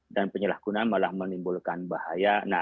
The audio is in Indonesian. dan penyalahgunaan malah menimbulkan bahaya